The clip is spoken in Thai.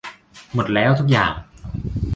หมดแล้วทุกอย่าง